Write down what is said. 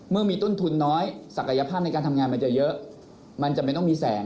เมื่อมีต้นทุนน้อยศักยภาพในการทำงานมันจะเยอะมันจะไม่ต้องมีแสง